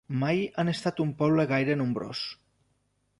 Mai han estat un poble gaire nombrós.